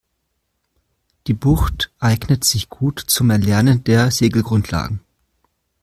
Die Bucht eignet sich gut zum Erlernen der Segelgrundlagen.